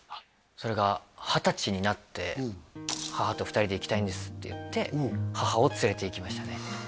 それが二十歳になって「母と２人で行きたいんです」って言って母を連れていきましたね